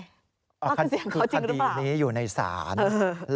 ว่าคือเสียงเขาจริงหรือเปล่าคดีนี้อยู่ในศาล